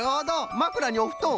まくらにおふとん。